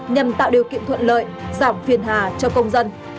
nhằm tạo điều kiện thuận lợi giảm phiền hà cho công dân